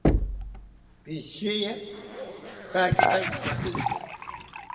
Pishiya kakitaki koshintzi